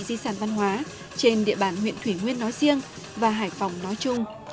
di sản văn hóa trên địa bàn huyện thủy nguyên nói riêng và hải phòng nói chung